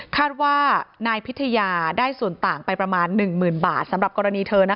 คาดว่านายพิทยาได้ส่วนต่างไปประมาณ๑๐๐๐บาทสำหรับกรณีเธอ